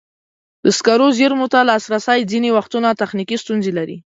د سکرو زېرمو ته لاسرسی ځینې وختونه تخنیکي ستونزې لري.